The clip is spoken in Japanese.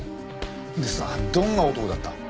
でさどんな男だった？